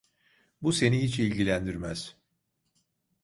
Bu seni hiç ilgilendirmez!